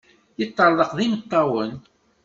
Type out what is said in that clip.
Yeṭṭerḍeq d imeṭṭawen.